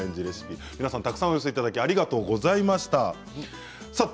皆さん、たくさんお寄せいただきましてありがとうございました。